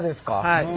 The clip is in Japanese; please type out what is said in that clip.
はい。